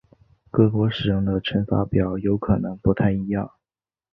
各国使用的乘法表有可能不太一样。